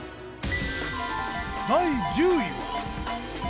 第１０位は。